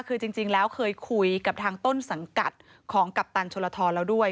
คือจริงแล้วเคยคุยกับทางต้นสังกัดของกัปตันชลทรแล้วด้วย